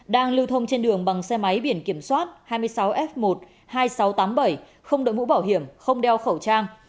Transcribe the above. đang lưu thông trên đường bằng xe máy biển kiểm soát hai mươi sáu f một hai nghìn sáu trăm tám mươi bảy không đội mũ bảo hiểm không đeo khẩu trang